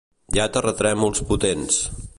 Hi ha terratrèmols potents.